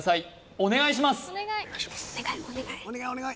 お願いします